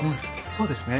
そうですね。